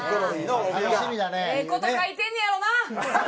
ええ事書いてんねやろうな！